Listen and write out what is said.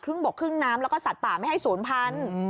บกครึ่งน้ำแล้วก็สัตว์ป่าไม่ให้ศูนย์พันธุ์